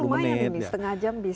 lumayan ini setengah jam bisa